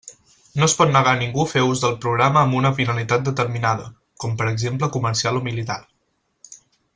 No es pot negar a ningú fer ús del programa amb una finalitat determinada, com per exemple comercial o militar.